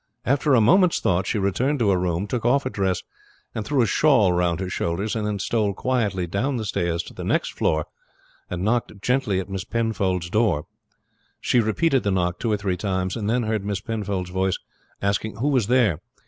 After a moment's thought she returned again to her room, took off her dress and threw a shawl round her shoulders, and then stole quietly down the stairs to the next floor and knocked gently at Miss Penfold's door. She repeated the knock two or three times, and then heard Miss Penfold's voice asking who was there.